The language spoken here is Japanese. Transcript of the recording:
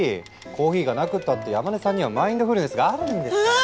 コーヒーがなくったって山根さんにはマインドフルネスがあるんですから。